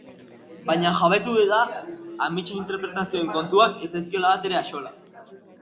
Baina jabetu da ametsen interpretazioen kontuak ez zaizkiola batere axola.